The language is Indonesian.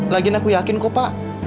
lagian aku yakin kok pak